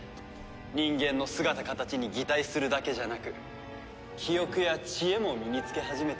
人間の姿形に擬態するだけじゃなく記憶や知恵も身につけ始めてる。